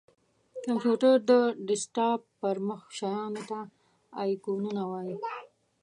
کمپېوټر:د ډیسکټاپ پر مخ شېانو ته آیکنونه وایې!